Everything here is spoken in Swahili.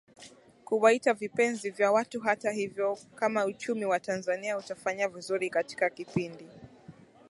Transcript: kuwaita vipenzi vya watuHata hivyo kama uchumi wa Tanzania utafanya vizuri katika kipindi